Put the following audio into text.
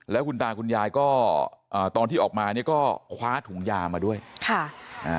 แล้วคุณตาคุณยายก็อ่าตอนที่ออกมาเนี้ยก็คว้าถุงยามาด้วยค่ะอ่า